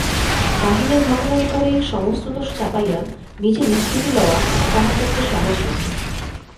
বাহিরের ঘটনার উপরেই সমস্ত দোষ চাপাইয়া নিজে নিষ্কৃতি লওয়া তাহার পক্ষে সহজ নহে।